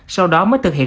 sau đó mới thực hiện